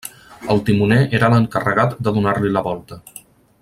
El timoner era l'encarregat de donar-li la volta.